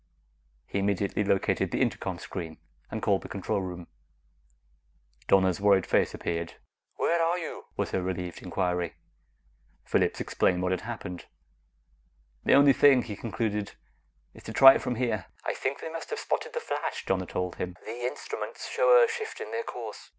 He immediately located the intercom screen and called the control room. Donna's worried face appeared. "Where are you?" was her relieved inquiry. Phillips explained what had happened. "The only thing," he concluded, "is to try it from here." "I think they must have spotted the flash," Donna told him. "The instruments show a shift in their course."